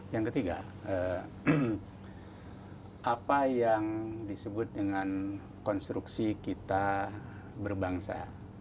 yang ketiga apa yang disebut dengan konstruksi kita berbangsa